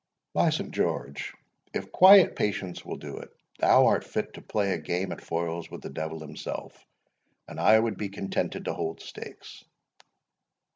"By St. George, if quiet patience will do it, thou art fit to play a game at foils with the Devil himself, and I would be contented to hold stakes."